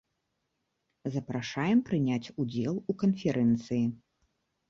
Запрашаем прыняць удзел у канферэнцыі.